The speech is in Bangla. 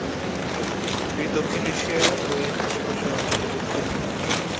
এটি দক্ষিণ এশিয়া ও এর আশপাশের অঞ্চলের উদ্ভিদ।